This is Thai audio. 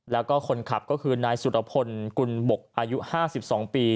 แล้วก็คนขับก็คือนายสุรพนธ์กลุ่นบกอายุห้าสิบสองปี